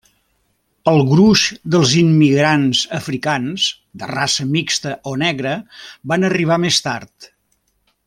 El gruix dels immigrants africans de raça mixta o negra van arribar més tard.